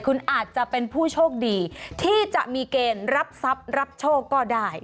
คุณอาจจะเป็นผู้โชคดีที่จะมีเกณฑ์รับทรัพย์รับโชคก็ได้